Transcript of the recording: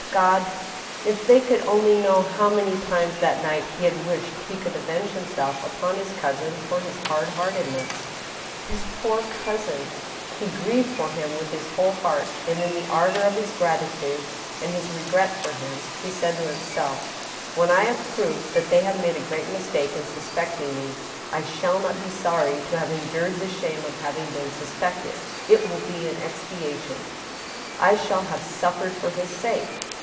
Ah, God I ^if they could only know how many times that night he had wished he could avenge himself upon his cousin for his hard heartedness ! His poor cousin ! He grieved for him with his whole heart, and, in the ardor of his gratitude and his regret for him, he said to him self :" When I have proved that they have made a great mistake, in suspecting me, I shall not be sorry to have endured the shame of having been suspected. It will be an expiation. I shall have suf fered for his sake.